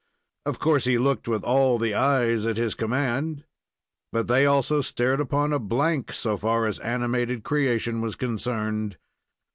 Of course he looked with all the eyes at his command, but they also stared upon a blank, so far as animated creation was concerned.